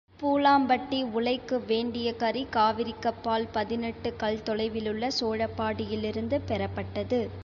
பூலாம்பட்டி உலைக்கு வேண்டிய கரி காவிரிக்கப்பால் பதினெட்டு கல் தொலைவிலுள்ள சோழப்பாடியிலிருந்து பெறப்பட்டது.